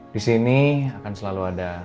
disini akan selalu ada